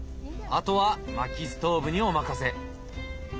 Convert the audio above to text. あとはまきストーブにお任せ。